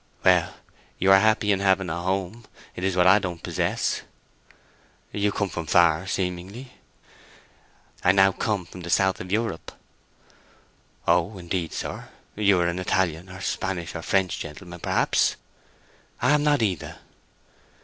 "Well, you are happy in having a home. It is what I don't possess." "You come from far, seemingly?" "I come now from the south of Europe." "Oh, indeed, sir. You are an Italian, or Spanish, or French gentleman, perhaps?" "I am not either."